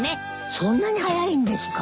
そんなに早いんですか？